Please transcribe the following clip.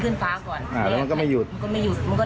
ขึ้นฟ้าก่อนอ่าแล้วมันก็ไม่หยุดมันก็ไม่หยุดมันก็